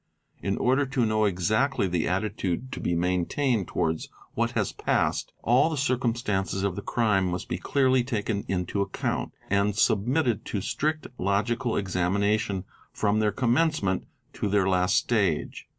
In order _ to know exactly the attitude to be maintained towards what has passed, all the circumstances of the crime must be clearly taken into account and submitted to strict logical examination from their cémmencement to their last stage.